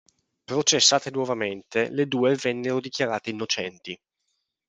Processate nuovamente, le due vennero dichiarate innocenti.